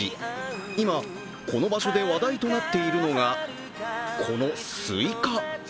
今、この場所で話題となっているのが、このスイカ。